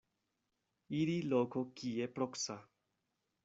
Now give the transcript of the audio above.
Iri loko kie proksa.